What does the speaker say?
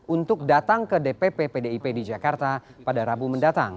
untuk datang ke dpp pdip di jakarta pada rabu mendatang